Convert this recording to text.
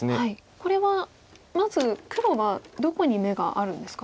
これはまず黒はどこに眼があるんですか？